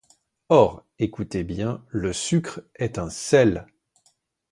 Or, écoutez bien, le sucre est un sel.